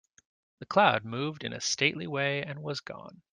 The cloud moved in a stately way and was gone.